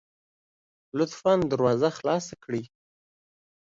لطفا دروازه خلاصه کړئ